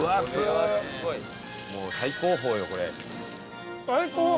もう最高峰よこれ。